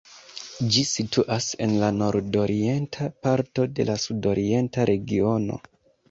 Ĝi situas en la nordorienta parto de la sudorienta regiono.